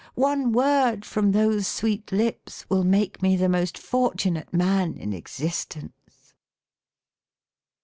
One word from those sweet lips will make me the most fortunate man in existence